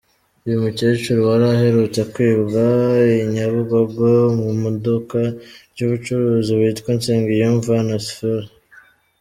Uyu muceri wari uherutse kwibwa i Nyabugogo mu iduka ry’umucuruzi witwa Nsengiyumva Onesphore.